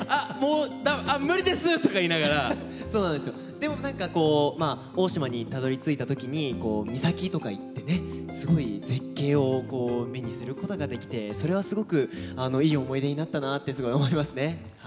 でも何かこう大島にたどりついた時に岬とか行ってねすごい絶景を目にすることができてそれはすごくいい思い出になったなってすごい思いますね。